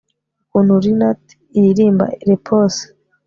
Ukuntu linnet iririmba repose